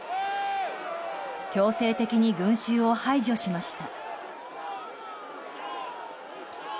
強制的に群衆を排除しました。